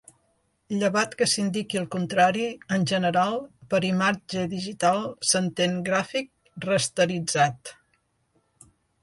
Llevat que s'indiqui el contrari en general per imatge digital s'entén gràfic rasteritzat.